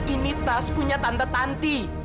ini tas punya tante tanti